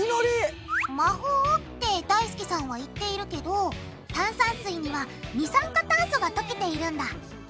魔法ってだいすけさんは言っているけど炭酸水には二酸化炭素が溶けているんだ。